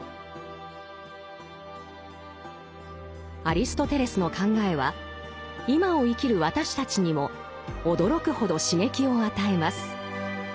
アリストテレスの考えは今を生きる私たちにも驚くほど刺激を与えます。